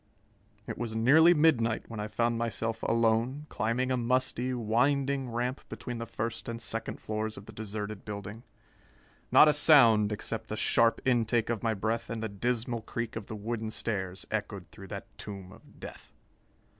It was nearly midnight when I found myself alone, climbing a musty, winding ramp between the first and second floors of the deserted building. Not a sound, except the sharp intake of my breath and the dismal creak of the wooden stairs, echoed through that tomb of death.